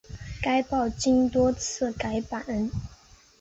该报经多次改版。